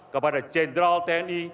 kepada jenderal tni